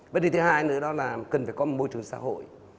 vấn đề thứ hai nữa đó là cần phải có một môi trường xã hội